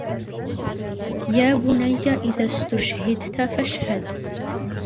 يَا بُنَيَّ إذَا اُسْتُشْهِدْتَ فَاشْهَدْ